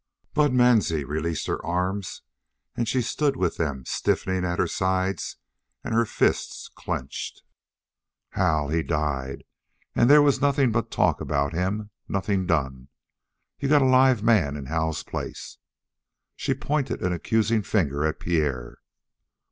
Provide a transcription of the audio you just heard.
Bud Mansie released her arms and she stood with them stiffening at her sides and her fists clenched. "Hal he died, and there was nothing but talk about him nothing done. You got a live man in Hal's place." She pointed an accusing finger at Pierre.